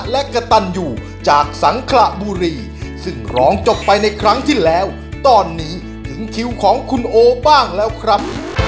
และกระตันอยู่จากสังขระบุรีซึ่งร้องจบไปในครั้งที่แล้วตอนนี้ถึงคิวของคุณโอบ้างแล้วครับ